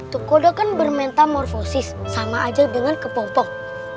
tuh kodok kan bermetamorfosis sama aja dengan kepompong